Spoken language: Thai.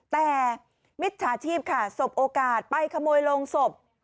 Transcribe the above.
แต่มิจฉาชีพค่ะสบโอกาสไปขโมยโรงศพ